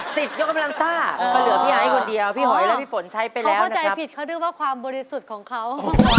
ยกกำลังซ่าก็เหลือพี่ไอ้คนเดียวพี่หอยและพี่ฝนใช้ไปแล้วเข้าใจผิดเขาด้วยว่าความบริสุทธิ์ของเขา